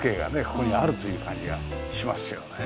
ここにあるという感じがしますよね。